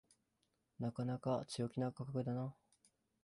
なかなか強気な価格だな